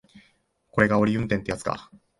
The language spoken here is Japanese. これがあおり運転ってやつか